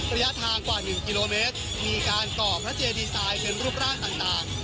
ระยะทางกว่า๑กิโลเมตรมีการก่อพระเจดีไซน์เป็นรูปร่างต่าง